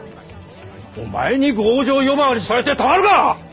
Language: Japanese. お前に剛情呼ばわりされてたまるか！